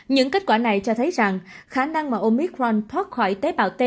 những kết quả này cho thấy rằng khả năng mà omicront thoát khỏi tế bào t